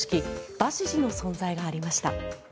バシジの存在がありました。